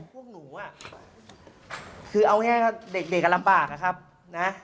พวกหนูอ่ะคือเอาให้เด็กก็ลำบากครับนะ